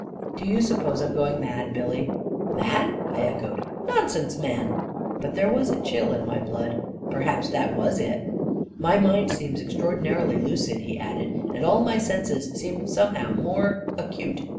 Do you suppose I'm going mad, Billy? "" Mad? " I echoed. " Nonsense, man 1"' But there was a chill in my blood; perhaps that was it 1 44 My mind seems extraordinarily lucid," he added, 44 and all my senses seem somehow more acute.